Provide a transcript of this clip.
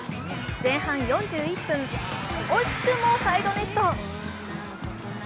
前半４１分、惜しくもサイドネット。